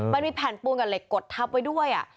มันมีแผ่นปูนกับเหล็กกดทับไว้ด้วย